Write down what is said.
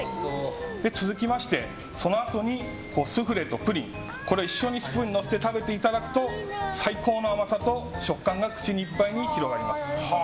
そのあとにスフレとプリンを一緒にスプーンに載せて食べていただくと最高の甘さと食感が口いっぱいに広がります。